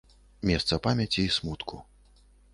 Месца памяці і смутку.